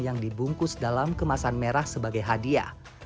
yang dibungkus dalam kemasan merah sebagai hadiah